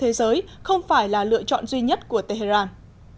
thế giới không phải là lựa chọn duy nhất của tehran